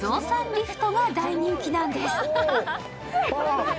リフトが大人気なんです。